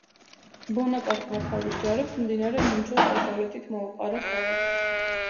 ბონაპარტმა თავის ჯარებს მდინარე მინჩოს დასავლეთით მოუყარა თავი.